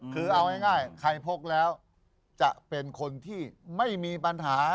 คือเอาง่ายใครพกแล้วจะเป็นคนที่ไม่มีปัญหา